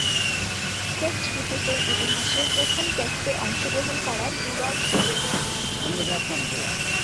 Test ক্রিকেটের ইতিহাসের প্রথম টেস্টে অংশগ্রহণ করার বিরল সুযোগ পান।